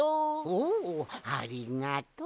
おおありがとう！